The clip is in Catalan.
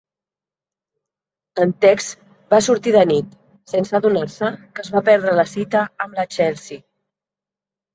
En Tex va sortir de nit, sense adonar-se que es va perdre la cita amb la Chelsee.